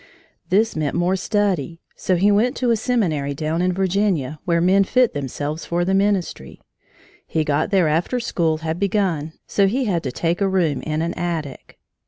This meant more study. So he went to a seminary down in Virginia, where men fit themselves for the ministry. He got there after school had begun, so he had to take a room in an attic.